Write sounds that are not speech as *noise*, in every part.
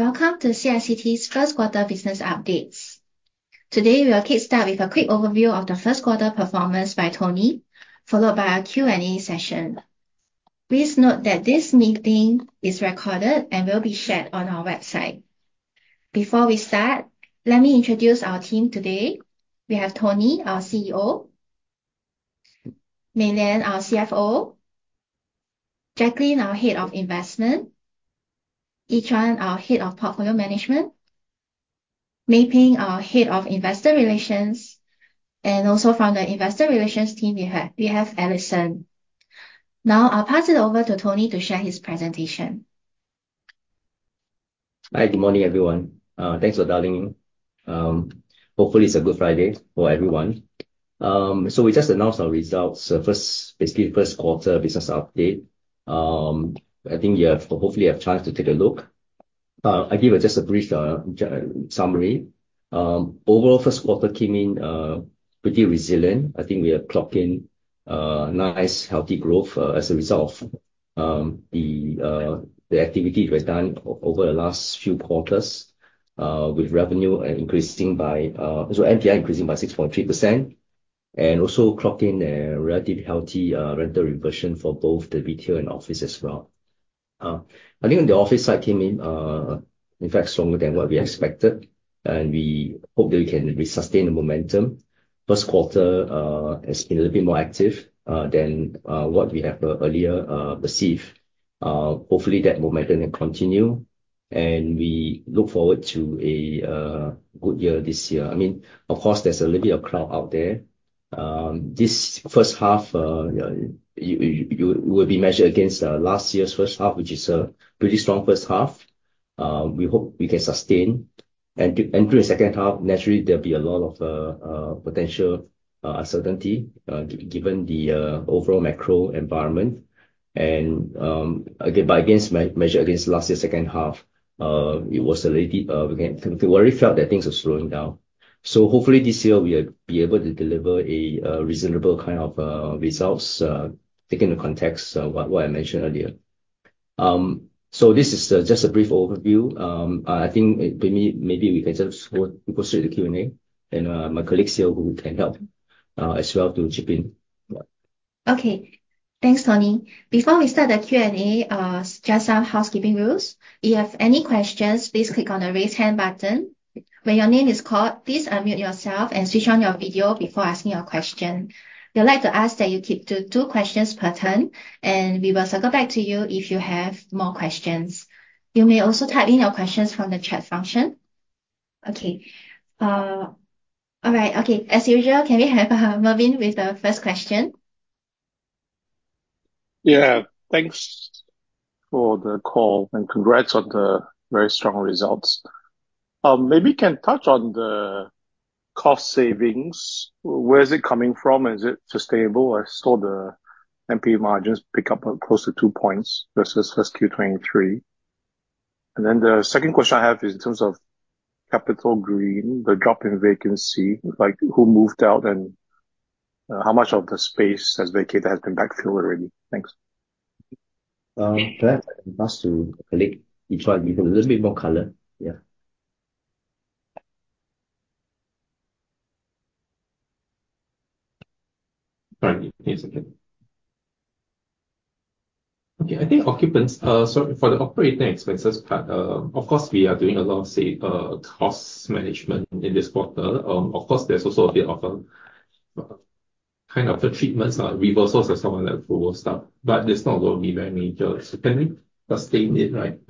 Welcome to CICT's first quarter business updates. Today, we are kickstart with a quick overview of the first quarter performance by Tony, followed by our Q&A session. Please note that this meeting is recorded and will be shared on our website. Before we start, let me introduce our team today. We have Tony, our CEO, Mei Lian, our CFO, Jacqueline, our Head of Investment, Yi Zhuan, our Head of Portfolio Management, Mei Ping, our Head of Investor Relations, and also from the Investor Relations team we have Alison. I'll pass it over to Tony to share his presentation. Hi. Good morning, everyone. Thanks for dialing in. Hopefully, it's a good Friday for everyone. We just announced our results, basically first quarter business update. I think you hopefully have a chance to take a look, but I'll give just a brief summary. Overall, first quarter came in pretty resilient. I think we have clocked in a nice healthy growth as a result of the activity that was done over the last few quarters, with revenue increasing by NPI increasing by 6.3%, and also clocked in a relative healthy rental reversion for both the retail and office as well. I think the office side came in fact, stronger than what we expected, and we hope that we can sustain the momentum. First quarter has been a little bit more active than what we have earlier perceived. Hopefully, that momentum will continue, and we look forward to a good year this year. Of course, there's a little bit of cloud out there. This first half will be measured against last year's first half, which is a pretty strong first half. We hope we can sustain. Through the second half, naturally, there'll be a lot of potential uncertainty, given the overall macro environment. Again, measured against last year's second half, we already felt that things are slowing down. Hopefully this year we'll be able to deliver a reasonable kind of results, taking the context of what I mentioned earlier. This is just a brief overview. I think maybe we can just go straight to Q&A, and my colleagues here who can help as well to chip in. Thanks, Tony. Before we start the Q&A, just some housekeeping rules. If you have any questions, please click on the raise hand button. When your name is called, please unmute yourself and switch on your video before asking your question. We would like to ask that you keep to two questions per turn, and we will circle back to you if you have more questions. You may also type in your questions from the chat function. As usual, can we have Marvin with the first question? Yeah. Thanks for the call, and congrats on the very strong results. Maybe you can touch on the cost savings. Where is it coming from? Is it sustainable? I saw the NPI margins pick up close to two points versus 1Q 2023. The second question I have is in terms of CapitaGreen, the drop in vacancy, like who moved out and how much of the space has vacated, has been backfilled already? Thanks. Perhaps I can pass to colleague, Yi Zhuan, give a little bit more color. Yeah. Sorry. Give me a second. Okay. Sorry, for the operating expenses part, of course, we are doing a lot of, say, cost management in this quarter. Of course, there's also a bit of a kind of a treatments, reversals and some of that stuff. There's not going to be very major spending sustained it, right?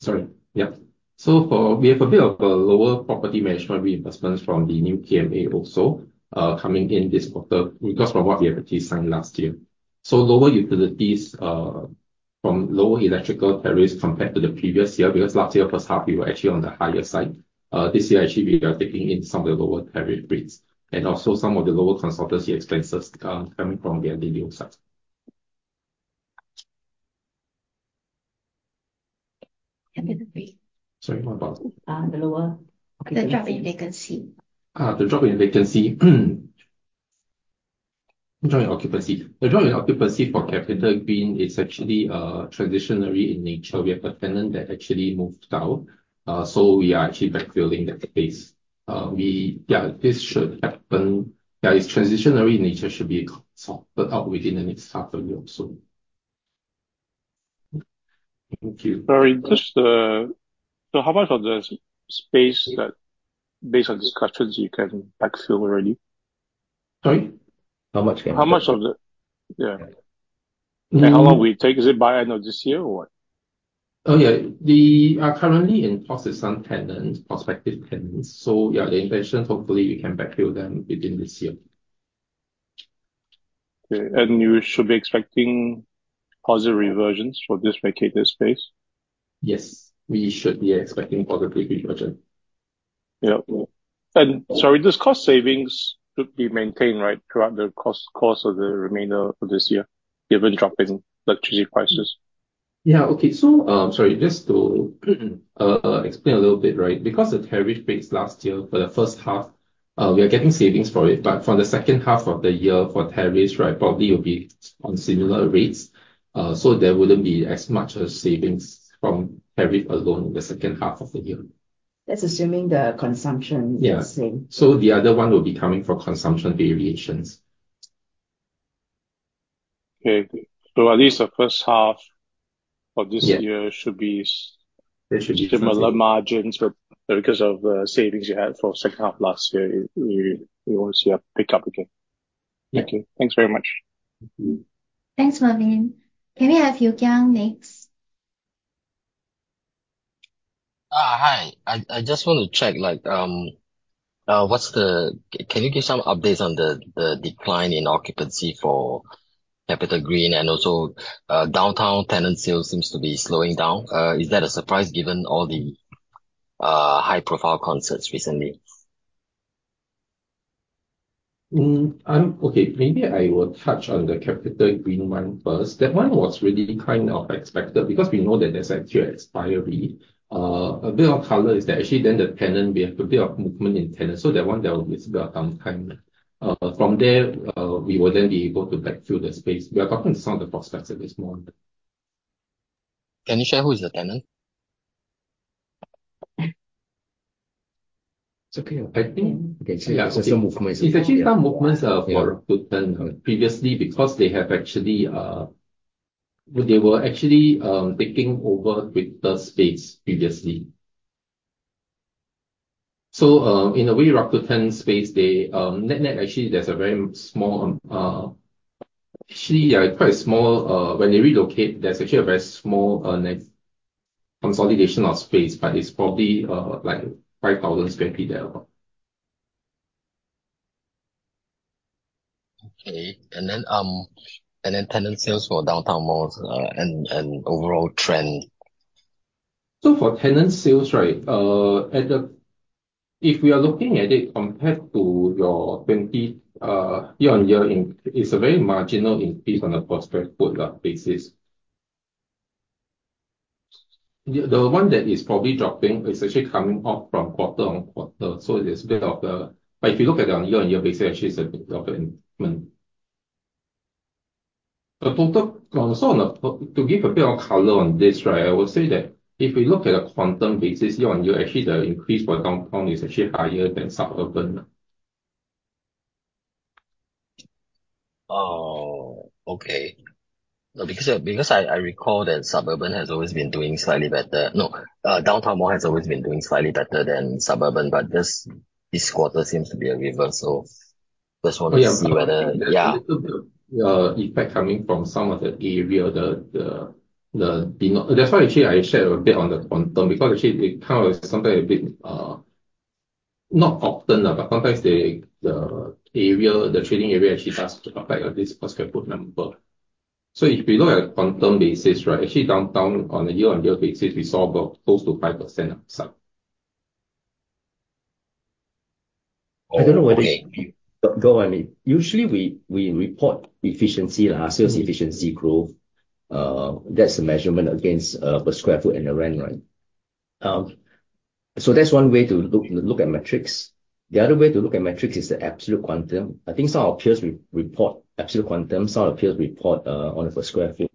Sorry. Yeah. We have a bit of a lower property management reinvestments from the new TMA also, coming in this quarter because from what we have signed last year. Lower utilities from lower electrical tariffs compared to the previous year, because last year first half we were actually on the higher side. This year actually we are taking in some of the lower tariff rates and also some of the lower consultancy expenses coming from the *inaudible* side. CapitaGreen. Sorry, what about? The lower The drop in vacancy. The drop in vacancy. Drop in occupancy. The drop in occupancy for CapitaGreen is actually transitionary in nature. We have a tenant that actually moved out, so we are actually backfilling that space. Yeah, this should happen. Its transitionary nature should be sorted out within the next half of the year or so. Thank you. Sorry, how much of the space that, based on discussions, you can backfill already? Sorry? How much can? How much of the Yeah. Yeah. How long will it take? Is it by end of this year or what? Oh, yeah. We are currently in talks with some tenants, prospective tenants. Yeah, the intention, hopefully we can backfill them within this year. Okay. You should be expecting positive reversions for this vacated space? Yes. We should be expecting positive reversion. Yeah. Sorry, this cost savings should be maintained, right, throughout the course of the remainder of this year, given drop in electricity prices? Yeah. Okay. Sorry, just to explain a little bit, right. Because the tariff rates last year for the first half, we are getting savings for it, but for the second half of the year for tariffs, probably it will be on similar rates, so there wouldn't be as much a savings from tariff alone in the second half of the year. That's assuming the consumption Yeah The same. The other one will be coming from consumption variations. Okay, good. At least the first half of this year. Yeah Should be similar margins, but because of the savings you had for second half last year, you won't see a pickup again. Yeah. Okay. Thanks very much. Thanks, Marvin. Can we have Yew Kiang next? Hi. I just want to check. Can you give some updates on the decline in occupancy for CapitaGreen and also downtown tenant sales seems to be slowing down. Is that a surprise given all the high-profile concerts recently? Okay. Maybe I will touch on the CapitaGreen one first. That one was really kind of expected because we know that there is actually an expiry. A bit of color is that actually then the tenant, we have a bit of movement in tenant, so that one there will be a bit of downtime. From there, we will then be able to backfill the space. We are talking to some of the prospects at this moment. Can you share who is the tenant? It's okay. Okay. There's some movement It's actually some movements for Rakuten previously because they were actually taking over Twitter space previously. In a way, Rakuten space, when they relocate, there's actually a very small consolidation of space, but it's probably like 5,000 sq ft there about. Okay. Tenant sales for downtown malls and overall trend. For tenant sales, if we are looking at it compared to your 20 year-on-year, it's a very marginal increase on a per sq ft basis. The one that is probably dropping is actually coming off from quarter-on-quarter. If you look at it on a year-on-year basis, actually it's a bit of an improvement. To give a bit of color on this, I would say that if we look at a quantum basis year-on-year, actually the increase for downtown is actually higher than suburban. Okay. Because I recall that suburban has always been doing slightly better. No, downtown more has always been doing slightly better than suburban, but this quarter seems to be a reversal. Yeah. A little bit of effect coming from some of the area. That's why actually I shared a bit on the quantum because actually it kind of is sometimes a bit, not often, but sometimes the trading area actually starts to affect this per square foot number. If we look at quantum basis, actually downtown, on a year-on-year basis, we saw about close to 5% upside. Okay. I don't know whether you go, I mean, usually we report efficiency, sales efficiency growth. That's a measurement against a square foot and a rent. That's one way to look at metrics. The other way to look at metrics is the absolute quantum. I think some of our peers report absolute quantum, some of our peers report on a per square foot.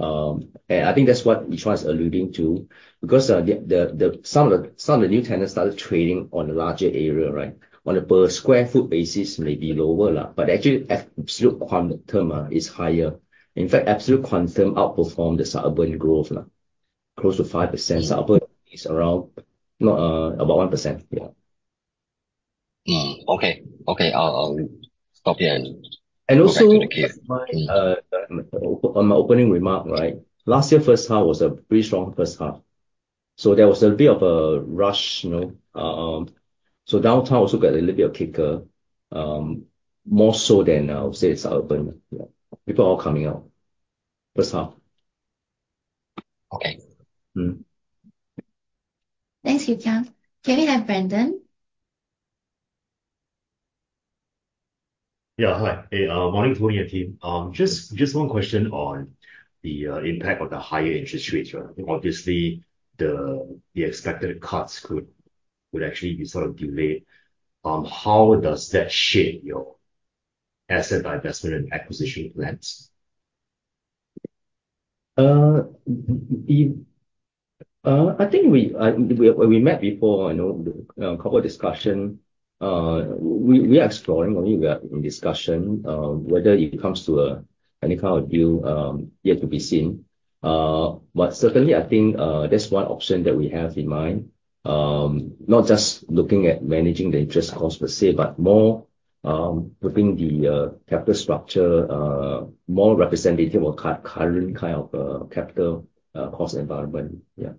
I think that's what Yi Zhuan's alluding to because some of the new tenants started trading on a larger area. On a per square foot basis may be lower, but actually absolute quantum is higher. In fact, absolute quantum outperformed the suburban growth. Close to 5%. Suburban is around about 1%. Yeah. Okay. And also Go back to the queue. On my opening remark, last year first half was a pretty strong first half. There was a bit of a rush. Downtown also got a little bit of kicker, more so than I would say it's open. People are all coming out. First half. Okay. Thanks, Yew Kiang. Can we have Brandon? Hi. Morning to you and your team. Just one question on the impact of the higher interest rates. Obviously, the expected cuts could actually be sort of delayed. How does that shape your asset divestment and acquisition plans? I think we met before. A couple of discussion. We are exploring, or we are in discussion. Whether it comes to any kind of deal, yet to be seen. Certainly, I think, that's one option that we have in mind. Not just looking at managing the interest cost per se, but more looking the capital structure, more representative of current capital cost environment. Yeah.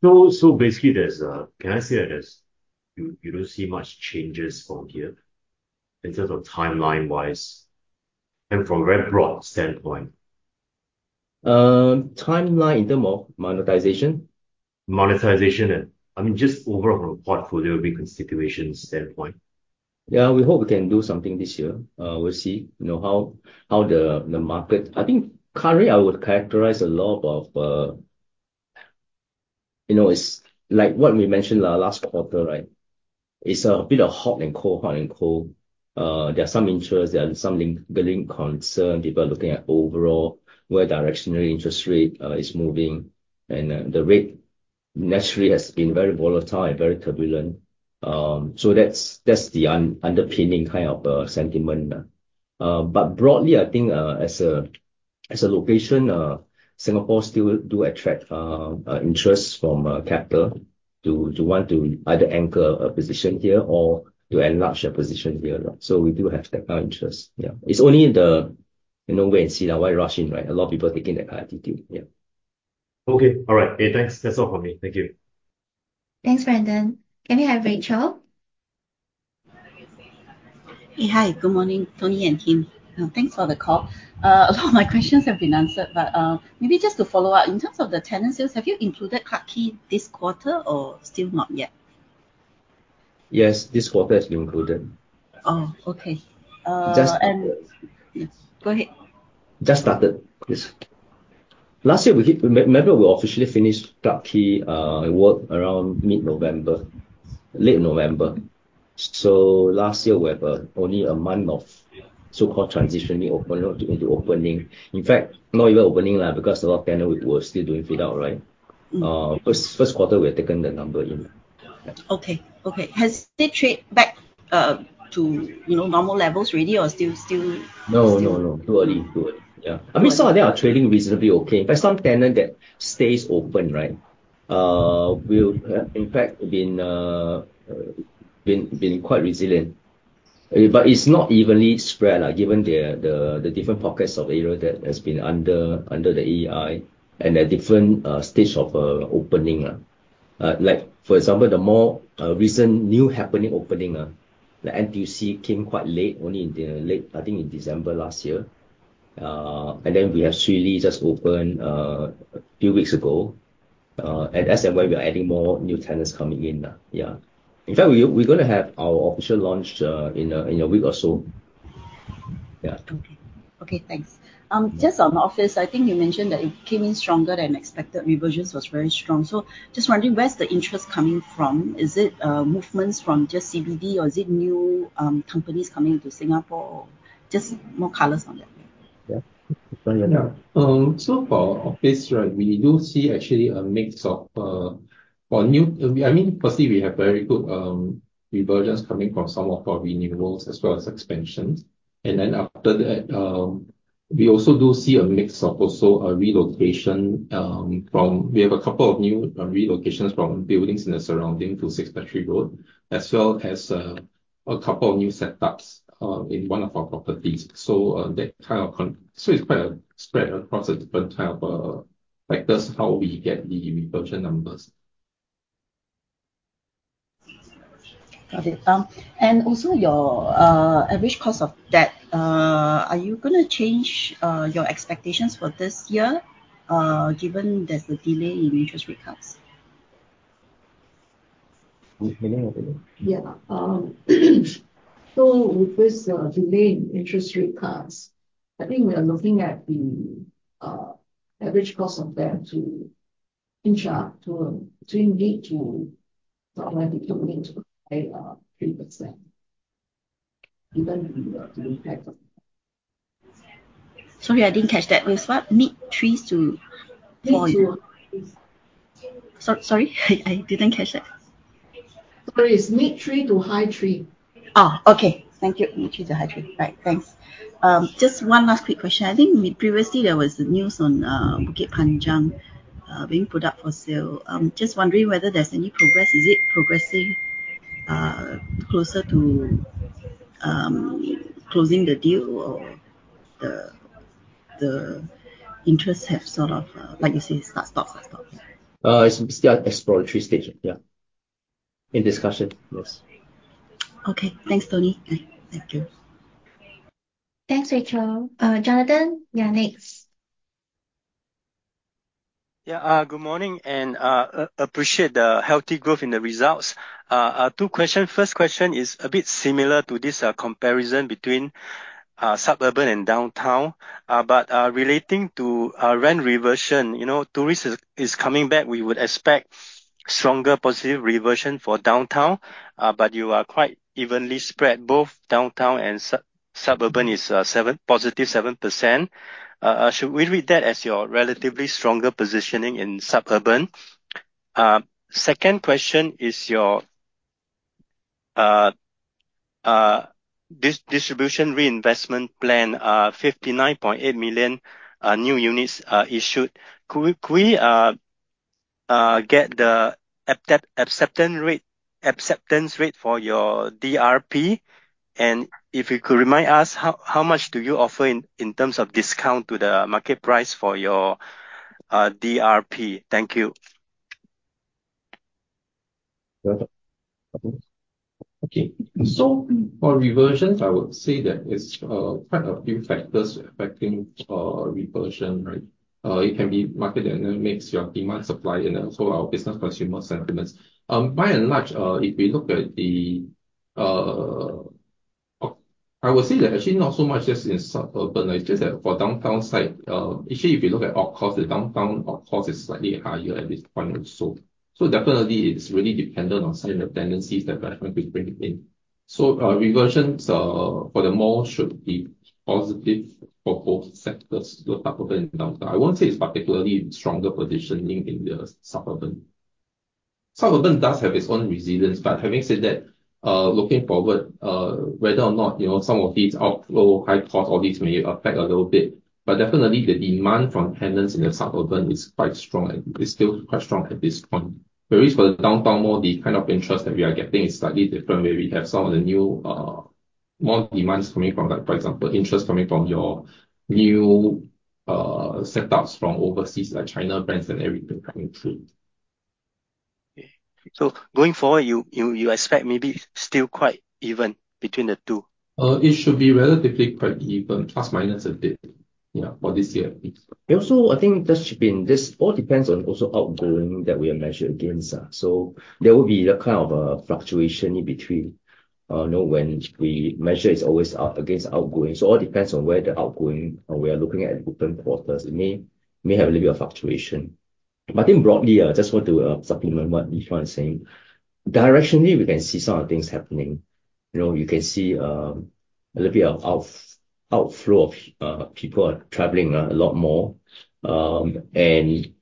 Basically, can I say that you don't see much changes from here in terms of timeline-wise and from a very broad standpoint? Timeline in term of monetization? Monetization and, I mean, just overall from a portfolio reconstitution standpoint. Yeah, we hope we can do something this year. We'll see how the market. It's like what we mentioned last quarter, right? It's a bit of hot and cold, hot and cold. There's some interest, there are some building concern, people are looking at overall where directionally interest rate is moving, and the rate naturally has been very volatile and very turbulent. That's the underpinning kind of sentiment. Broadly, I think as a location, Singapore still do attract interest from capital to want to either anchor a position here or to enlarge their position here. We do have capital interest. Yeah. It's only in the wait-and-see, why rush in, right? A lot of people are taking that attitude. Yeah. Okay. All right. Hey, thanks. That's all from me. Thank you. Thanks, Brandon. Can I have Rachel? Hey. Hi. Good morning, Tony and team. Thanks for the call. A lot of my questions have been answered, but maybe just to follow up, in terms of the tenant sales, have you included Clarke Quay this quarter or still not yet? Yes. This quarter it's been included. Oh, okay. Just Go ahead. Just started this. Last year, remember we officially finished Clarke Quay, it was around mid-November, late November. Last year we had only a month of so-called transitioning, opening into opening. In fact, not even opening, because a lot of tenants were still doing fit-out, right? First quarter, we have taken the number in. Okay. Has they trade back to normal levels already? No, too early. Yeah. I mean, some of them are trading reasonably okay. Some tenant that stays open, will in fact been quite resilient. It's not evenly spread, given the different pockets of area that has been under AEI and at different stage of opening. Like for example, the more recent new happening opening, the NTUC came quite late, only in the late, I think in December last year. We have Ministry of Crab just opened a few weeks ago. At, *inaudible* we are adding more new tenants coming in now. Yeah. In fact, we're going to have our official launch in a week or so. Yeah. Okay. Okay, thanks. Just on office, I think you mentioned that it came in stronger than expected. Reversions was very strong. Just wondering where's the interest coming from? Is it movements from just CBD or is it new companies coming into Singapore? Just more colors on that. Yeah. Tony, you want to? For office, we do see actually a mix of Firstly, we have very good reversions coming from some of our renewals as well as expansions. We have a couple of new relocations from buildings in the surrounding to Six Battery Road, as well as a couple of new setups in one of our properties. It's quite spread across the different type of factors, how we get the reversion numbers. Got it. Also your average cost of debt, are you going to change your expectations for this year, given there's a delay in interest rate cuts? Which meaning, I beg your pardon? Yeah. With this delay in interest rate cuts, I think we are looking at the average cost of debt to inch up to mid to probably coming into high 3%, given the impact of. Sorry, I didn't catch that. It was what? Mid threes to four? Mid to. Sorry, I didn't catch that. Sorry, it's mid three to high three. Okay. Thank you. Mid three to high three. Right. Thanks. Just one last quick question. I think previously there was news on Bukit Panjang being put up for sale. Just wondering whether there's any progress. Is it progressing closer to closing the deal or the interest have sort of, like you say, start, stop, start, stop? It's still at exploratory stage. In discussion. Yes. Okay. Thanks, Tony. Thank you. Thanks, Rachel. Jonathan, you're next. Good morning and appreciate the healthy growth in the results. Two questions. First question is a bit similar to this comparison between suburban and downtown. Relating to rent reversion, tourists are coming back, we would expect stronger positive reversion for downtown, but you are quite evenly spread, both downtown and suburban is positive 7%. Should we read that as your relatively stronger positioning in suburban? Second question is your distribution reinvestment plan, 59.8 million new units issued. Could we get the acceptance rate for your DRP? If you could remind us, how much do you offer in terms of discount to the market price for your DRP? Thank you. For reversions, I would say that it's quite a few factors affecting reversion. It can be market dynamics, your demand, supply, and also our business consumer sentiments. By and large, if we look at, I would say that actually not so much just in suburban. It's just that for downtown site, actually if you look at OpEx, the downtown OpEx is slightly higher at this point also. Definitely it's really dependent on some of the tendencies that government could bring in. Our reversions for the mall should be positive for both sectors, both urban and downtown. I won't say it's particularly stronger positioning in the suburban. Suburban does have its own resilience, having said that, looking forward, whether or not some of these outflow, high cost, all these may affect a little bit, definitely the demand from tenants in the suburban is quite strong and is still quite strong at this point. Whereas for the downtown mall, the kind of interest that we are getting is slightly different, where we have some of the new demands coming from that. For example, interest coming from your new setups from overseas, like China banks and everything coming through. Going forward, you expect maybe still quite even between the two? It should be relatively quite even, plus minus a bit, for this year at least. I think that should be in this all depends on also outgoing that we are measured against. There will be a kind of a fluctuation in between when we measure, it's always against outgoing. It all depends on where the outgoing we are looking at different quarters. It may have a little bit of fluctuation. I think broadly, I just want to supplement what Yi Zhuan is saying. Directionally, we can see some of the things happening. You can see a little bit of outflow of people are traveling a lot more. Naturally,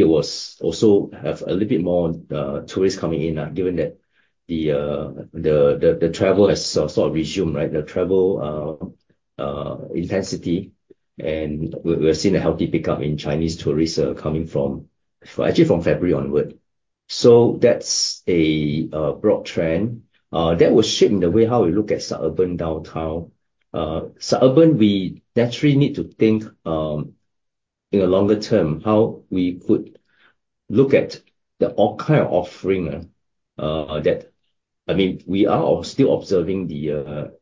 it will also have a little bit more tourists coming in, given that the travel has sort of resumed, right? The travel intensity, and we're seeing a healthy pickup in Chinese tourists coming from actually from February onward. That's a broad trend. That will shape the way how we look at suburban downtown. Suburban, we naturally need to think, in the longer term, how we could look at the kind of offering that We are still observing the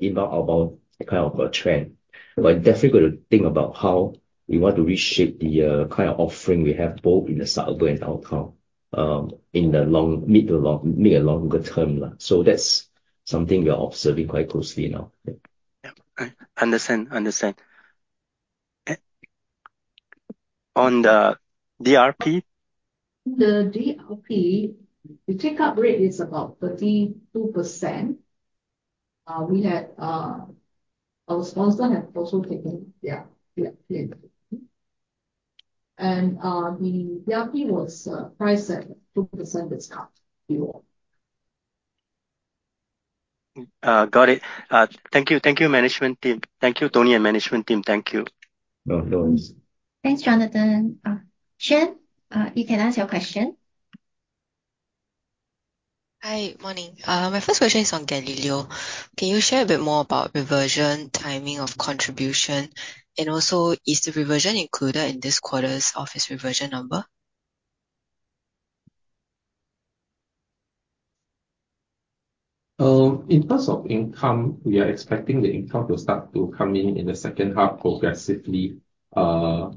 inbound, outbound kind of a trend. Definitely got to think about how we want to reshape the kind of offering we have, both in the suburban downtown, in the mid to longer term. That's something we are observing quite closely now. Yeah. I understand. On the DRP? The DRP, the take-up rate is about 32%. Our sponsor had also taken, yeah. The DRP was priced at 2% discount. Got it. Thank you, management team. Thank you, Tony and management team. Thank you. No worries. Thanks, Jonathan. Xuan, you can ask your question. Hi. Morning. My first question is on Gallileo. Can you share a bit more about reversion, timing of contribution? Is the reversion included in this quarter's office reversion number? In terms of income, we are expecting the income to start to come in in the second half progressively. First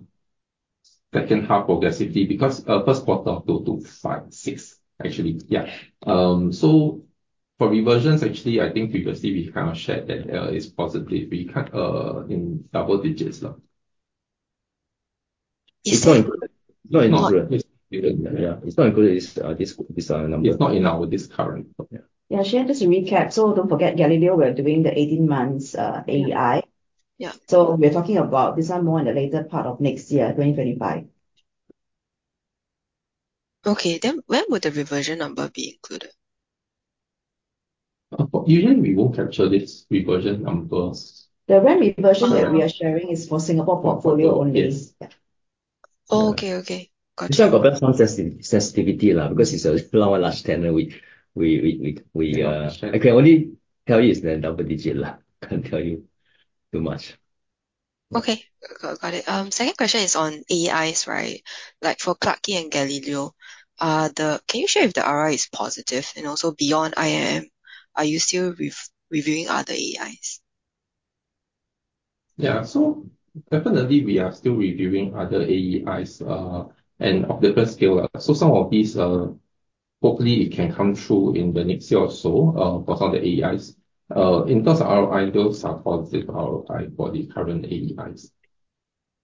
quarter go to five, six, actually. Yeah. For reversions, actually, I think previously we've kind of shared that it's possibly in double digits now. It's not included. It's not included. It's not. Yeah. It's not included this number. It's not in this current. Yeah. Yeah, Xuan, just to recap, don't forget, Gallileo, we are doing the 18 months AEI. Yeah. We're talking about this one more in the later part of next year, 2025. Okay. When would the reversion number be included? Usually we won't capture this reversion numbers. The revenue reversion that we are sharing is for Singapore portfolio only. Oh, okay. Gotcha. This one got better sensitivity, because it's a large tenant. I can only tell you it's the double digit. Can't tell you too much. Okay. Got it. Second question is on AEIs, right? Like for Clarke Quay and Gallileo, can you share if the ROI is positive? Also beyond IMM, are you still reviewing other AEIs? Definitely, we are still reviewing other AEIs, and of different scale. Some of these, hopefully it can come through in the next year or so for some of the AEIs. In terms of ROI, those are positive ROI for the current AEIs.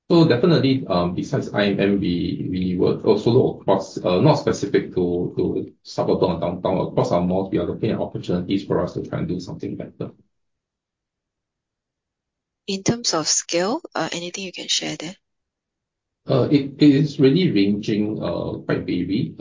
Definitely, besides IMM, we would also look across, not specific to suburban or downtown. Across our malls, we are looking at opportunities for us to try and do something better. In terms of scale, anything you can share there? It is really ranging quite varied.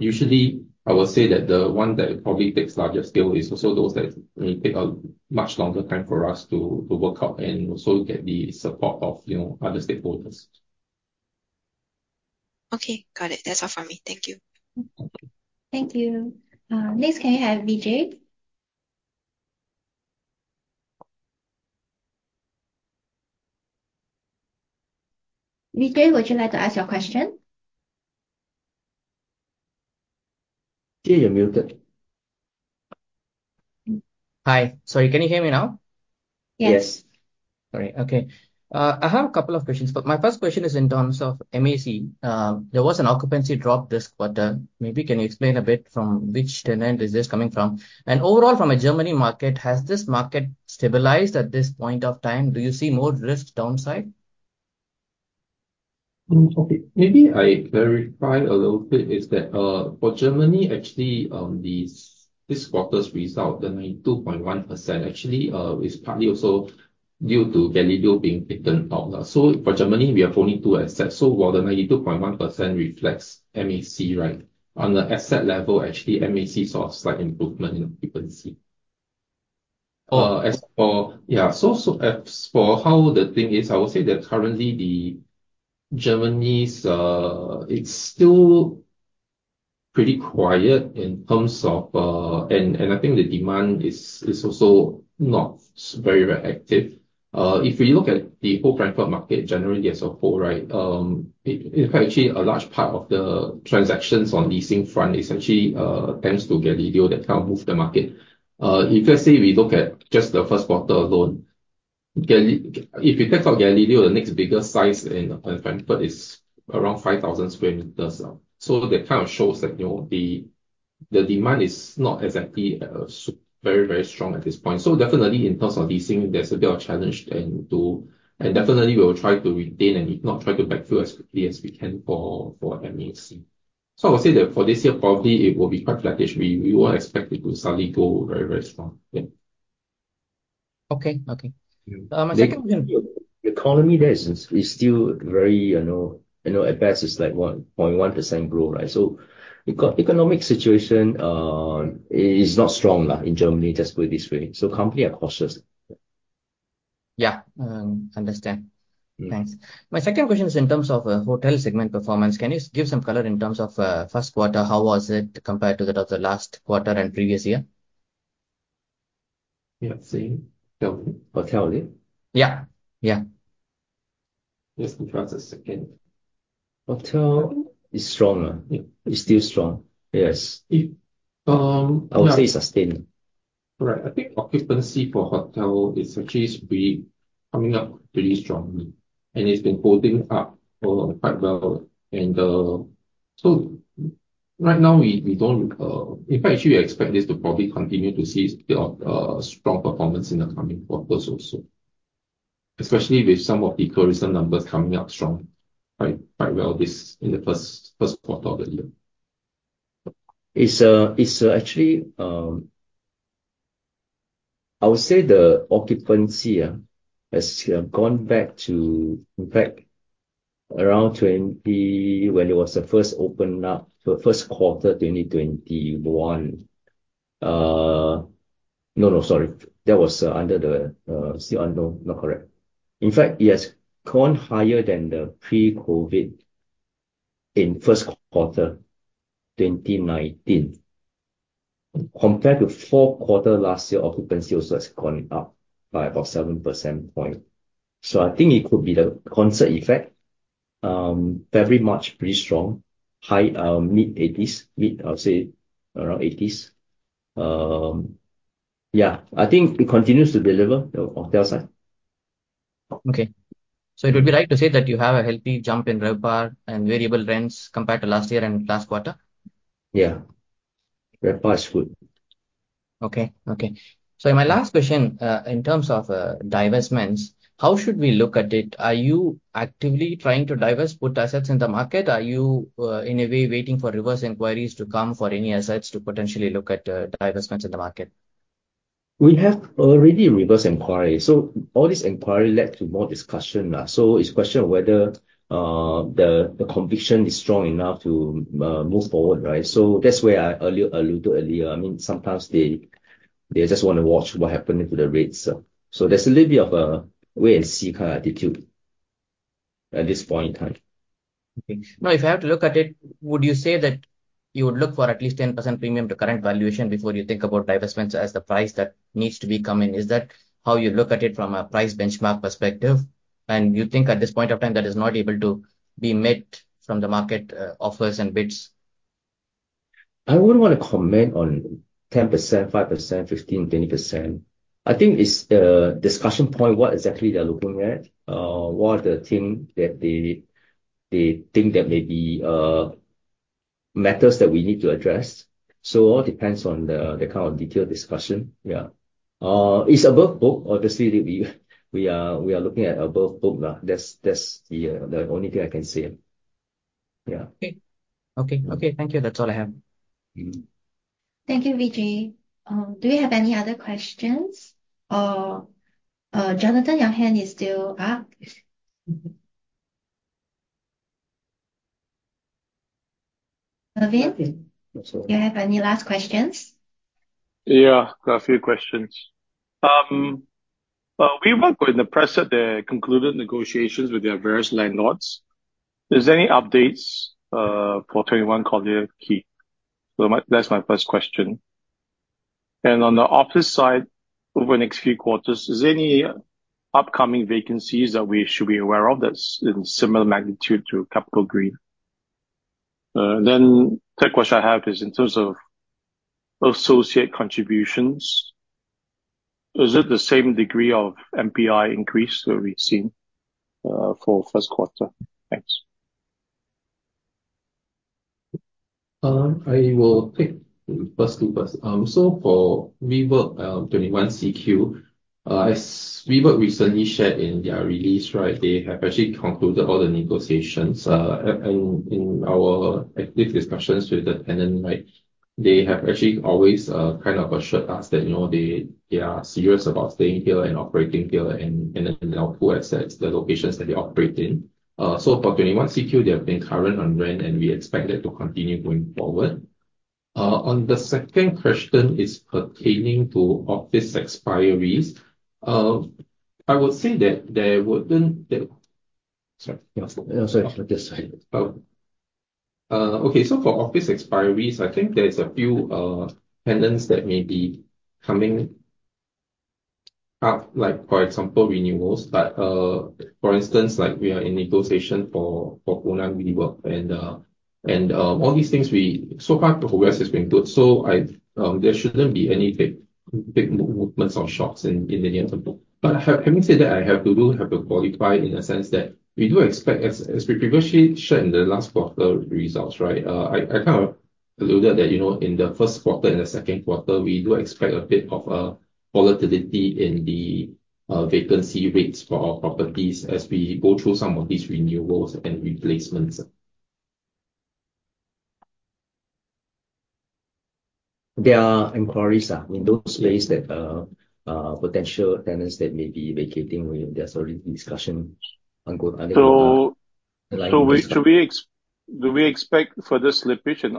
Usually I would say that the one that probably takes larger scale is also those that take a much longer time for us to work out and also get the support of other stakeholders. Okay, got it. That's all from me. Thank you. Okay. Thank you. Next, can I have Vijay? Vijay, would you like to ask your question? Vijay, you're muted. Hi. Sorry, can you hear me now? Yes. All right. Okay. I have a couple of questions, but my first question is in terms of MAC. There was an occupancy drop risk, but maybe can you explain a bit from which tenant is this coming from? Overall, from a Germany market, has this market stabilized at this point of time? Do you see more risk downside? Okay. Maybe I clarify a little bit is that for Germany, actually, this quarter's result, the 92.1% actually is partly also due to Gallileo being taken out. For Germany, we have only two assets. While the 92.1% reflects MAC, right? On the asset level, actually, MAC saw a slight improvement in occupancy. As for how the thing is, I would say that currently the Germany, it is still pretty quiet in terms of I think the demand is also not very reactive. If we look at the whole Frankfurt market generally as a whole, in fact, actually a large part of the transactions on leasing front is actually tends to Gallileo that kind of move the market. If let's say we look at just the first quarter alone, if you take out Gallileo, the next biggest size in Frankfurt is around 5,000 sq m. That kind of shows that the demand is not exactly very strong at this point. Definitely in terms of leasing, there is a bit of challenge there too, and definitely we will try to retain and if not, try to backfill as quickly as we can for MAC. I would say that for this year, probably it will be quite sluggish. We won't expect it to suddenly go very strong. Yeah. Okay. My second question The economy there is still very at best it is like 1.1% growth. Economic situation is not strong in Germany, let's put it this way. company are cautious. Yeah. Understand. Thanks. My second question is in terms of hotel segment performance. Can you give some color in terms of first quarter? How was it compared to that of the last quarter and previous year? Yeah. Say that one. Hotel? Yeah. Just give us a second. Hotel is stronger. It's still strong. Yes. I would say sustainable. Right. I think occupancy for hotel is actually coming up pretty strongly, and it's been holding up quite well. In fact, actually, we expect this to probably continue to see a bit of strong performance in the coming quarters also, especially with some of the tourism numbers coming up strong quite well this in the first quarter of the year. It's actually, I would say the occupancy has gone back to, in fact, around when it was the first open up, so first quarter 2021. No, sorry. That was under the Still unknown, not correct. In fact, it has gone higher than the pre-COVID in first quarter 2019. Compared to fourth quarter last year, occupancy also has gone up by about seven percent point. I think it could be the concert effect. February, March, pretty strong, high, mid-80s. Mid, I would say around 80s. Yeah, I think it continues to deliver the hotel side. Okay. It would be right to say that you have a healthy jump in RevPAR and variable rents compared to last year and last quarter? Yeah. RevPAR is good. Okay. My last question, in terms of divestments, how should we look at it? Are you actively trying to divest, put assets in the market? Are you, in a way, waiting for reverse inquiries to come for any assets to potentially look at divestments in the market? We have already reverse inquiry. All this inquiry led to more discussion. It's a question of whether the conviction is strong enough to move forward, right? That's where I alluded earlier. Sometimes they just want to watch what happened to the rates. There's a little bit of a wait and see kind of attitude at this point in time. Okay. Now if I have to look at it, would you say that you would look for at least 10% premium to current valuation before you think about divestments as the price that needs to be coming? Is that how you look at it from a price benchmark perspective, and you think at this point of time, that is not able to be met from the market offers and bids? I wouldn't want to comment on 10%, 5%, 15%, 20%. I think it's a discussion point, what exactly they're looking at, what are the thing that they think there may be matters that we need to address. It all depends on the kind of detailed discussion. Yeah. It's above book, obviously. We are looking at above book. That's the only thing I can say. Yeah. Okay. Thank you. That's all I have. Thank you, VJ. Do we have any other questions? Jonathan, your hand is still up. Marvin, do you have any last questions? Yeah. I got a few questions. WeWork with the press that concluded negotiations with their various landlords. Is there any updates for 21 Collyer Quay? That's my first question. On the office side, over the next few quarters, is there any upcoming vacancies that we should be aware of that's in similar magnitude to CapitaGreen? The question I have is in terms of associate contributions, is it the same degree of NPI increase that we've seen for first quarter? Thanks. I will take the first two first. For WeWork, 21CQ, as WeWork recently shared in their release, they have actually concluded all the negotiations. In our active discussions with the tenant, they have actually always assured us that they are serious about staying here and operating here, and in our pool assets, the locations that they operate in. For 21CQ, they have been current on rent, and we expect that to continue going forward. On the second question is pertaining to office expiries. I would say that there wouldn't. Sorry, this side. For office expiries, I think there's a few tenants that may be coming up, for example, renewals. For instance, we are in negotiation for WeWork and all these things. So far the whole rest has been good, there shouldn't be any big movements or shocks in the near term. Having said that, I have to do have a qualify in a sense that we do expect, as we previously shared in the last quarter results. I kind of alluded that, in the first quarter and the second quarter, we do expect a bit of a volatility in the vacancy rates for our properties as we go through some of these renewals and replacements. There are inquiries in those ways that potential tenants that may be vacating, where there's already discussion ongoing. Do we expect further slippage in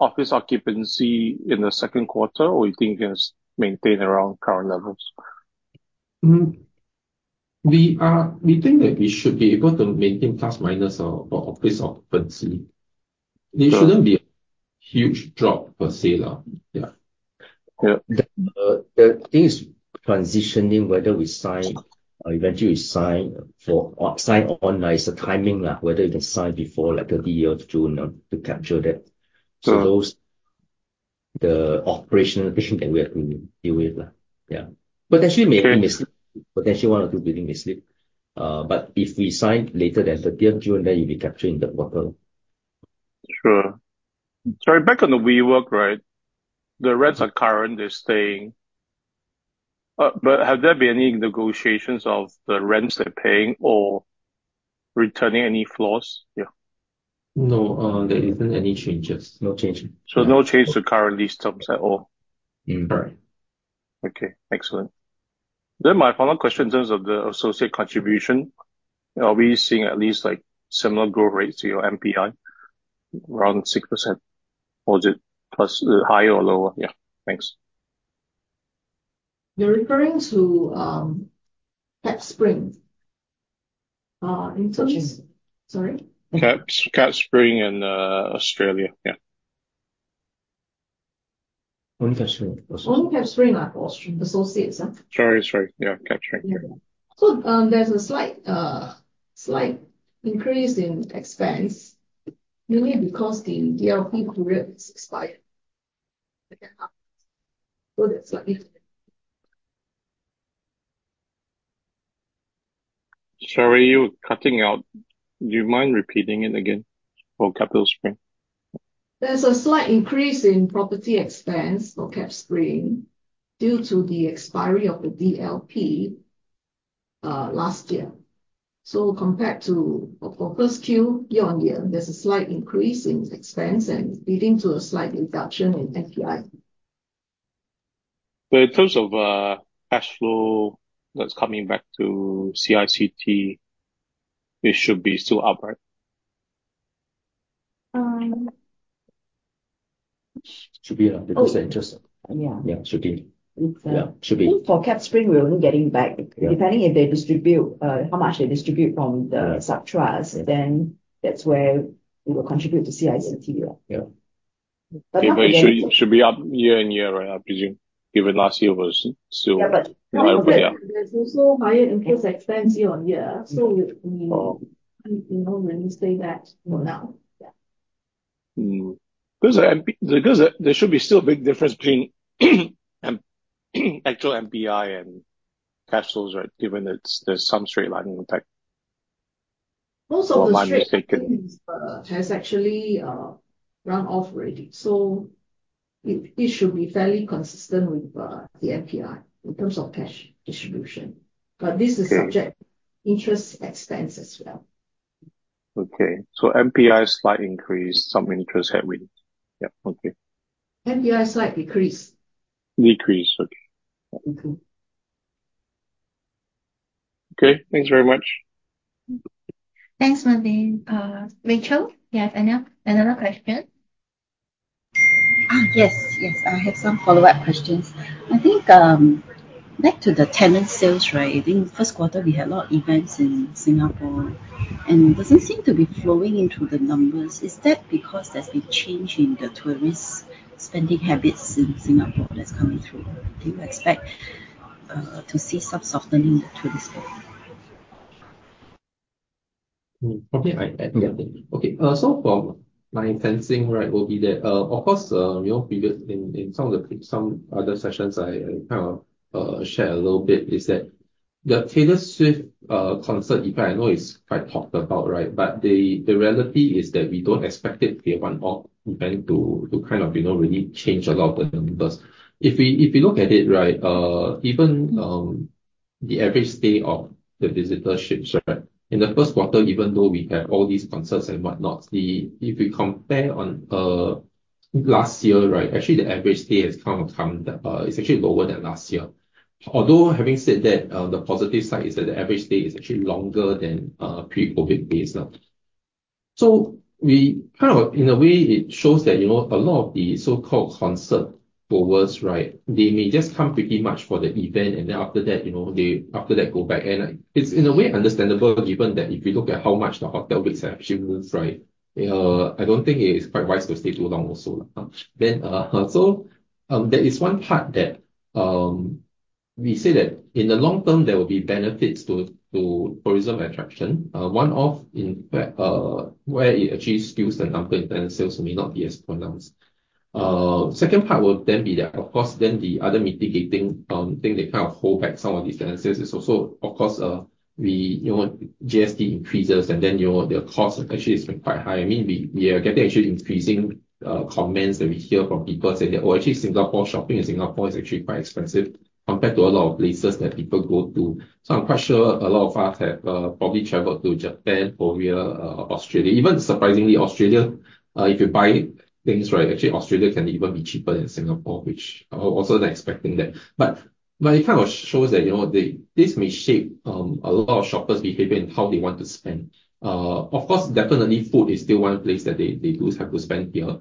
office occupancy in the second quarter, or you think it has maintained around current levels? We think that we should be able to maintain plus minus our office occupancy. There shouldn't be a huge drop per se. Yeah. The thing is transitioning, whether we sign or eventually we sign on. It's the timing, whether you can sign before 30th of June to capture that. Sure. The operational issue that we have to deal with. Yeah. Potentially may miss it. Potentially one or two building may slip. If we sign later than 30th June, then it'll be captured in the quarter. Sure. Sorry, back on the WeWork, the rents are current, they're staying. Have there been any negotiations of the rents they're paying or returning any floors? Yeah. No, there isn't any changes. No change. No change to current lease terms at all? Right. Okay, excellent. My follow-up question, in terms of the associate contribution, are we seeing at least similar growth rates to your NPI, around 6%? Is it plus higher or lower? Yeah. Thanks. You're referring to CapitaSpring. In terms of Sorry. CapitaSpring in Australia. Yeah. Only CapitaSpring. Only CapitaSpring associates. Sorry. Yeah, CapitaSpring. There's a slight increase in expense mainly because the DLP period is expired. Sorry, you were cutting out. Do you mind repeating it again for CapitaSpring? There's a slight increase in property expense for CapitaSpring due to the expiry of the DLP last year. Compared to, for first Q, year-on-year, there's a slight increase in expense and leading to a slight reduction in NPI. In terms of cash flow that's coming back to CICT, it should be still up, right? Should be up. Yeah Yeah, should be. Exactly. Should be. For CapitaSpring, we're only getting back. Yeah. Depending if they distribute, how much they distribute from the sub-trust, then that's where it will contribute to CICT. Yeah. It should be up year-on-year, I presume, given last year was still. Yeah, there's also higher interest expense year-on-year. We can't really say that for now. Yeah. There should be still a big difference between actual NPI and cash flows, right? Given that there's some straight-lining impact. Most of the straight-lining has actually run off already, so it should be fairly consistent with the NPI in terms of cash distribution. this is subject interest expense as well. Okay. NPI slight increase, some interest headwinds. Yeah. Okay. NPI slight decrease. Decrease. Okay. Okay, thanks very much. Thanks, Marvin. Rachel, you have another question? Yes. I have some follow-up questions. I think back to the tenant sales. I think first quarter we had a lot of events in Singapore. It doesn't seem to be flowing into the numbers. Is that because there's been change in the tourist spending habits in Singapore that's coming through? Do you expect to see some softening to this spend? My sensing will be that, of course, in some other sessions I kind of share a little bit is that the Taylor Swift concert event, I know it's quite talked about. The reality is that we don't expect it to be a one-off event to kind of really change a lot of the numbers. If we look at it, even the average stay of the visitorship, in the first quarter even though we had all these concerts and whatnot, if we compare on last year, actually, the average stay is actually lower than last year. Although, having said that, the positive side is that the average stay is actually longer than pre-COVID days now. In a way, it shows that a lot of the so-called concert goers, they may just come pretty much for the event, and then after that, they go back. It's in a way understandable, given that if you look at how much the hotel rates have actually moved. I don't think it is quite wise to stay too long also. There is one part that we say that in the long term, there will be benefits to tourism attraction. One-off in where it actually skews the number in tenant sales may not be as pronounced. Second part will then be that, of course, then the other mitigating thing that kind of hold back some of these tenant sales is also, of course, GST increases, and then their cost actually is quite high. We are getting actually increasing comments that we hear from people saying that, "Oh, actually shopping in Singapore is actually quite expensive compared to a lot of places that people go to." I'm quite sure a lot of us have probably traveled to Japan, Korea, Australia. Even surprisingly Australia, if you buy things, actually Australia can even be cheaper than Singapore, which I was also not expecting that. It kind of shows that this may shape a lot of shoppers' behavior and how they want to spend. Of course, definitely food is still one place that they do have to spend here.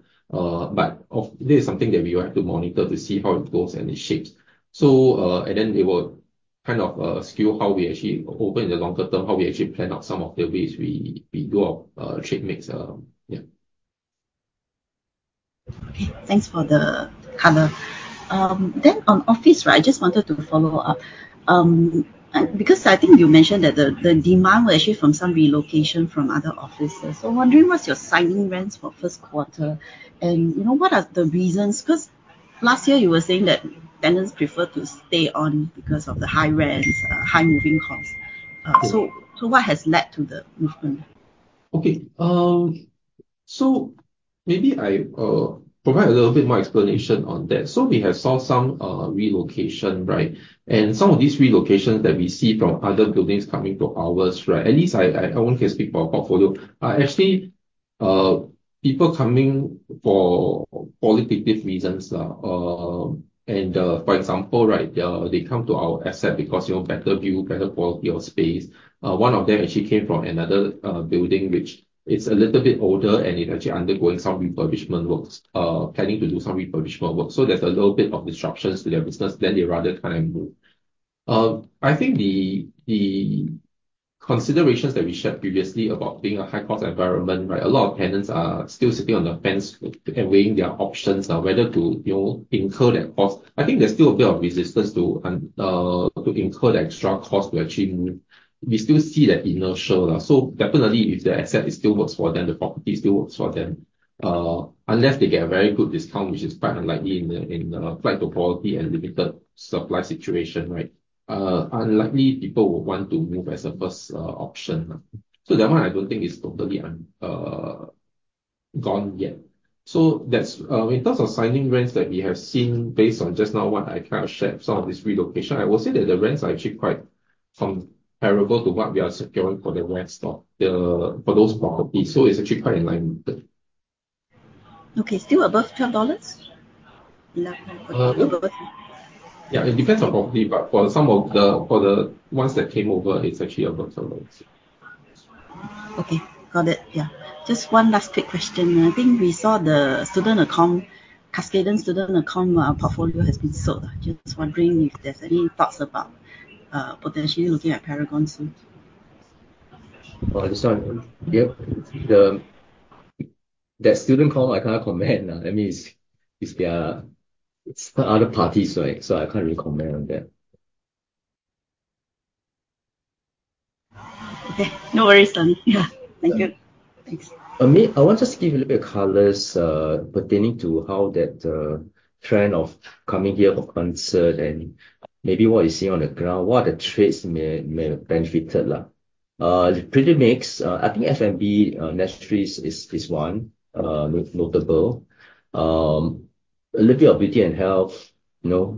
This is something that we will have to monitor to see how it goes and it shapes. It will kind of skew how we actually open in the longer term, how we actually plan out some of the ways we go out, trade mix. Yeah. Okay. Thanks for the color. On office, I just wanted to follow up, because I think you mentioned that the demand was actually from some relocation from other offices. Wondering what's your signing rents for first quarter and what are the reasons? Last year you were saying that tenants prefer to stay on because of the high rents, high moving costs. What has led to the movement? Okay. Maybe I provide a little bit more explanation on that. We have saw some relocation. Some of these relocations that we see from other buildings coming to ours, at least I only can speak for our portfolio, are actually people coming for qualitative reasons. For example, they come to our asset because better view, better quality of space. One of them actually came from another building, which it's a little bit older and it's actually undergoing some refurbishment works, planning to do some refurbishment work. There's a little bit of disruptions to their business, then they rather kind of move. I think the considerations that we shared previously about being a high-cost environment, a lot of tenants are still sitting on the fence and weighing their options on whether to incur that cost. I think there's still a bit of resistance to incur the extra cost to actually move. We still see that inertia. Definitely if the asset still works for them, the property still works for them, unless they get a very good discount, which is quite unlikely in the flight to quality and limited supply situation. Unlikely people would want to move as a first option. That one I don't think is totally gone yet. In terms of signing rents that we have seen based on just now what I kind of shared, some of this relocation, I will say that the rents are actually quite comparable to what we are securing for the rents for those properties. It's actually quite in line with it. Okay. Still above SGD 12? Yeah, it depends on property, but for the ones that came over, it's actually above SGD 12. Okay. Got it. Yeah. Just one last quick question. I think we saw the Keppel student accommodation portfolio has been sold. Just wondering if there's any thoughts about potentially looking at Paragon soon. Oh, this one. Yep. That student portfolio, I can't comment. That means it's other parties. I can't really comment on that. Okay. No worries then. Yeah. Thank you. Thanks. I want just to give a little bit of colors pertaining to how that trend of coming here for concert and maybe what you see on the ground, what the trades may have benefited. It pretty mixed. I think F&B, pastries is one notable. A little bit of beauty and health,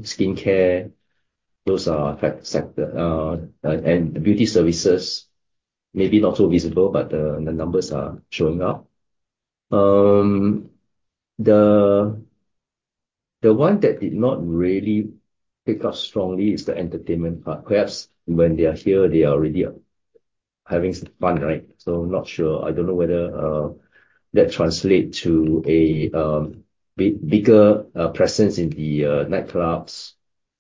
skin care. Those are sector, and beauty services maybe not so visible, but the numbers are showing up. The one that did not really pick up strongly is the entertainment part. Perhaps when they are here, they are already having fun. Not sure. I don't know whether that translate to a bigger presence in the nightclubs.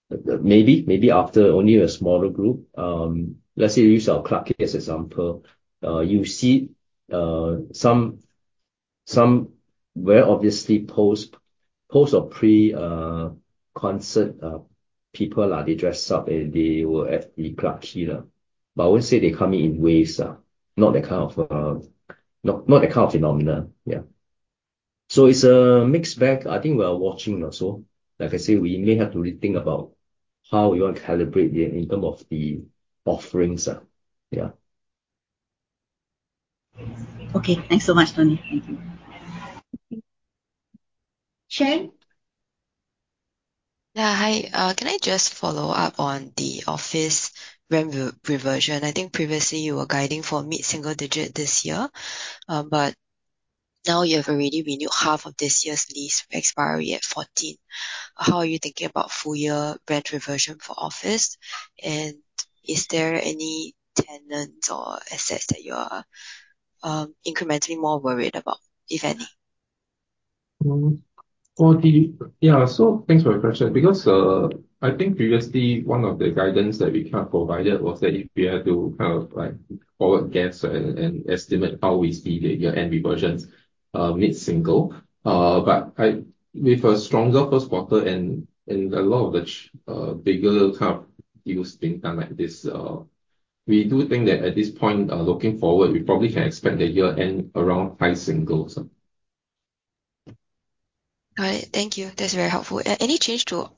Maybe after only a smaller group. Let's say we use our club case example. Some were obviously post or pre-concert people. They dress up, and they will have the clutch here. I would say they come in waves. Not that kind of phenomena. Yeah. It's a mixed bag. I think we are watching also. Like I say, we may have to rethink about how we want to calibrate in terms of the offerings. Yeah. Okay. Thanks so much, Tony. Thank you. Xuan? Yeah. Hi. Can I just follow up on the office rent reversion? I think previously you were guiding for mid-single digit this year, but now you have already renewed half of this year's lease expiry at 14. How are you thinking about full year rent reversion for office, and is there any tenants or assets that you are incrementally more worried about, if any? Thanks for your question because, I think previously one of the guidance that we provided was that if we had to forward guess and estimate how we see the year-end reversions, mid-single. With a stronger first quarter and a lot of the bigger deals being done like this, we do think that at this point, looking forward, we probably can expect the year-end around high singles. All right. Thank you. That's very helpful. Any change to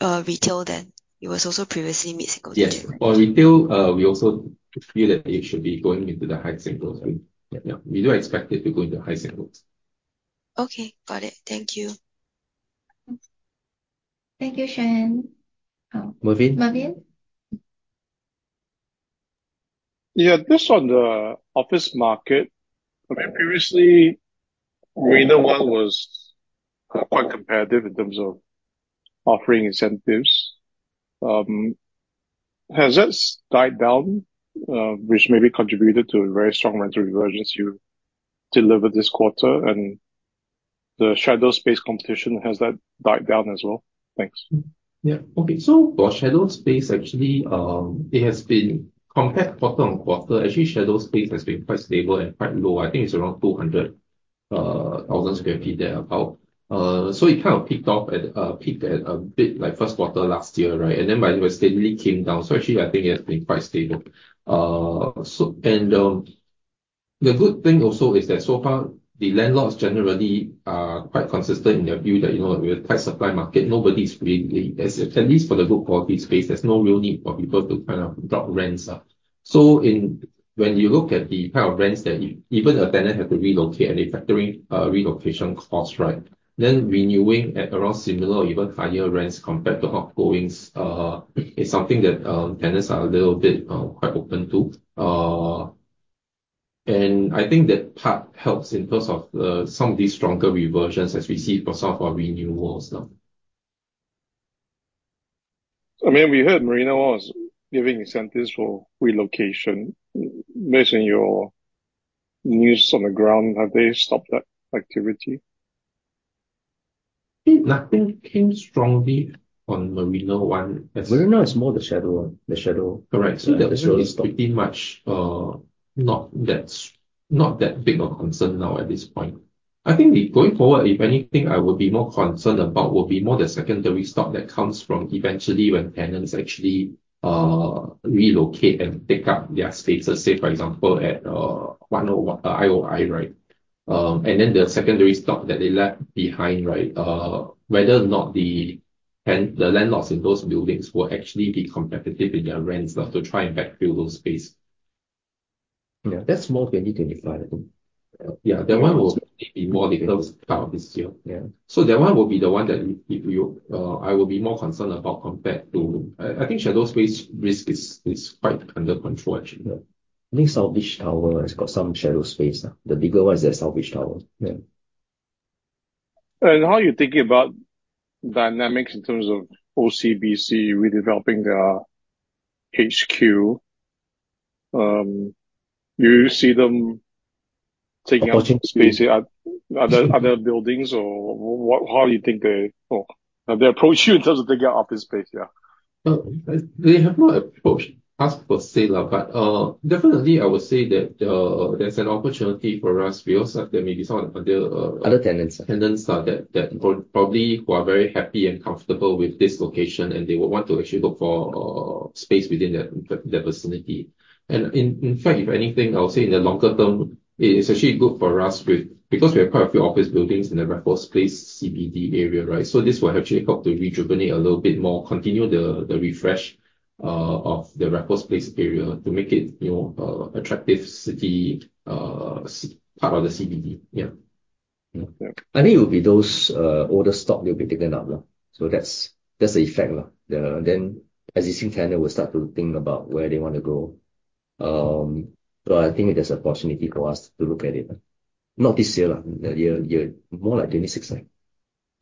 retail then? It was also previously mid-single digit. Yes. For retail, we also feel that it should be going into the high singles. We do expect it to go into high singles. Okay. Got it. Thank you. Thank you, Xuan. Marvin? Just on the office market. Previously, Marina One was quite competitive in terms of offering incentives. Has this died down, which maybe contributed to very strong rental reversions you delivered this quarter? The shadow space competition, has that died down as well? Thanks. For shadow space, actually, it has been compared quarter-on-quarter. Actually, shadow space has been quite stable and quite low. I think it's around 200,000 sq ft, there about. It kind of peaked a bit, like first quarter last year, right? It steadily came down. Actually, I think it has been quite stable. The good thing also is that so far the landlords generally are quite consistent in their view that with a tight supply market, at least for the good quality space, there's no real need for people to drop rents. When you look at the kind of rents that even a tenant have to relocate and they're factoring relocation costs, right? Renewing at around similar or even higher rents compared to outgoings is something that tenants are a little bit quite open to. I think that part helps in terms of some of these stronger reversions as we see for some of our renewals now. We heard Marina One was giving incentives for relocation. Based on your news on the ground, have they stopped that activity? Nothing came strongly on Marina One. Marina is more the shadow one. Correct. The other shadow is gone. pretty much not that big of a concern now at this point. I think going forward, if anything, I would be more concerned about will be more the secondary stock that comes from eventually when tenants actually relocate and take up their spaces, say for example, at IOI, right? Then the secondary stock that they left behind, right? Whether or not the landlords in those buildings will actually be competitive in their rents to try and backfill those space. Yeah, that's more 2025. Yeah, that one will maybe more later this year. Yeah. That one will be the one that I will be more concerned about compared to I think shadow space risk is quite under control, actually. Yeah. I think Suntec Tower has got some shadow space. The bigger one is the Suntec Tower. Yeah. How are you thinking about dynamics in terms of OCBC redeveloping their HQ? Do you see them taking up space at other buildings, or how do you think they approach you in terms of taking up office space, yeah? They have not approached us per se. Definitely I would say that there's an opportunity for us. There may be some other tenants who are very happy and comfortable with this location. They would want to actually look for a space within that vicinity. In fact, if anything, I would say in the longer term, it's actually good for us because we have quite a few office buildings in the Raffles Place CBD area, right? This will actually help to rejuvenate a little bit more, continue the refresh of the Raffles Place area to make it attractive city, part of the CBD. Yeah. I think it will be those older stock will be taken up. That's the effect. Existing tenant will start to think about where they want to go. I think there's an opportunity for us to look at it. Not this year. More like 2026, 2025, 2026. That one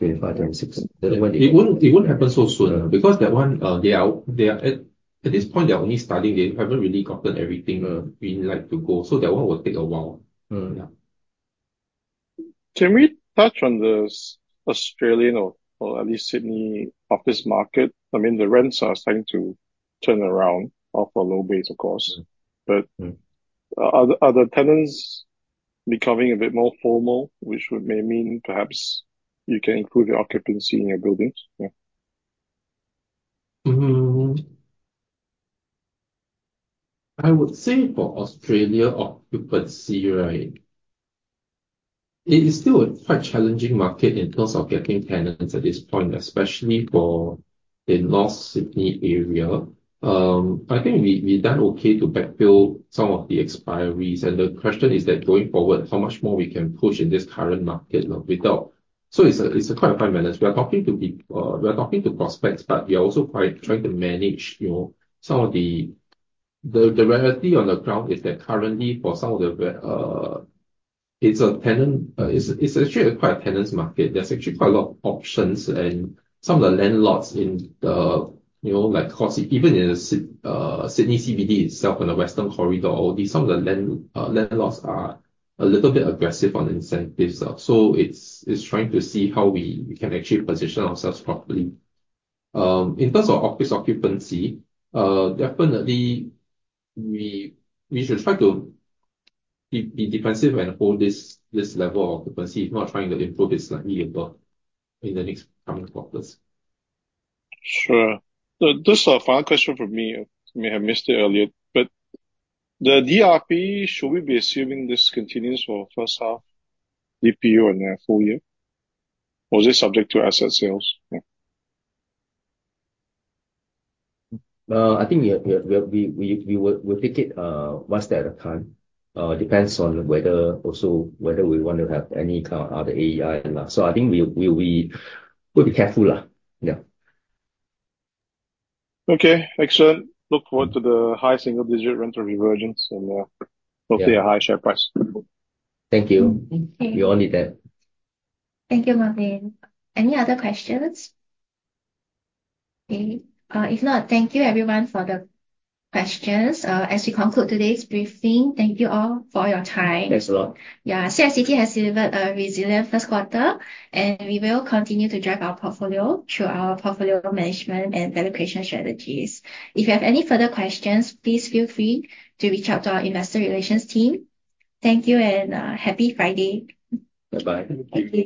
It won't happen so soon because that one, at this point, they're only starting. They haven't really gotten everything they really like to go. That one will take a while. Yeah. Can we touch on the Australian or at least Sydney office market? The rents are starting to turn around off a low base, of course. Are the tenants becoming a bit more formal, which may mean perhaps you can include your occupancy in your buildings? I would say for Australia occupancy rate, it is still a quite challenging market in terms of getting tenants at this point, especially for the North Sydney area. I think we've done okay to backfill some of the expiries. The question is that going forward, how much more we can push in this current market now. It's a quite fine balance. We are talking to prospects, but we are also quite trying to manage some of the reality on the ground is that currently, it's actually quite a tenant's market. There's actually quite a lot of options and some of the landlords in the, like cost, even in the Sydney CBD itself and the Western corridor, some of the landlords are a little bit aggressive on incentives. It's trying to see how we can actually position ourselves properly. In terms of office occupancy, definitely we should try to be defensive and hold this level of occupancy, if not trying to improve it slightly above in the next coming quarters. Sure. Just a final question from me. You may have missed it earlier, the DRP, should we be assuming this continues for first half DPU and full year? Or is it subject to asset sales? I think we will take it one step at a time. Depends on whether also whether we want to have any kind of other AEI. I think we will be careful. Yeah. Okay, excellent. Look forward to the high single-digit rental reversions hopefully a high share price. Thank you. Thank you. We all need that. Thank you, Marvin. Any other questions? Okay. If not, thank you everyone for the questions. As we conclude today's briefing, thank you all for your time. Thanks a lot. Yeah. CICT has delivered a resilient first quarter, and we will continue to drive our portfolio through our portfolio management and valuation strategies. If you have any further questions, please feel free to reach out to our investor relations team. Thank you, and happy Friday. Bye-bye. Thank you.